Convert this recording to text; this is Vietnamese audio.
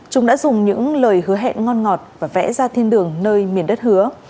chúng đã dùng những lời hứa hẹn ngon ngọt và vẽ ra thiên đường nơi miền đất hứa